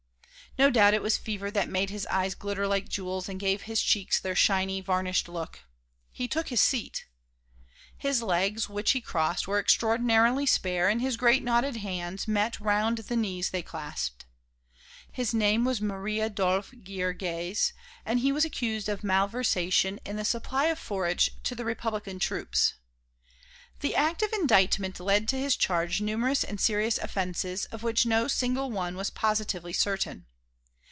No doubt it was fever that made his eyes glitter like jewels and gave his cheeks their shiny, varnished look. He took his seat. His legs, which he crossed, were extraordinarily spare and his great knotted hands met round the knees they clasped. His name was Marie Adolphe Guillergues, and he was accused of malversation in the supply of forage to the Republican troops. The act of indictment laid to his charge numerous and serious offences, of which no single one was positively certain.